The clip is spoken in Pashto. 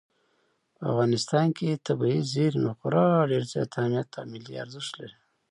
په افغانستان کې طبیعي زیرمې خورا ډېر زیات اهمیت او ملي ارزښت لري.